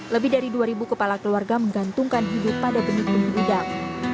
lebih dari dua kepala keluarga menggantungkan hidup pada benih benih udang